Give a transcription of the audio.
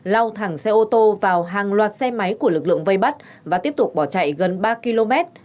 lao thẳng xe ô tô vào hàng loạt xe máy của lực lượng vây bắt và tiếp tục bỏ chạy gần ba km